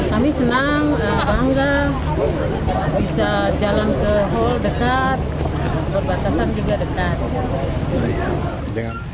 kami senang bangga bisa jalan ke hall dekat berbatasan juga dekat